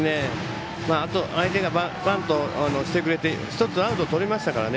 あと相手がバントしてくれて１つアウトをとれましたからね。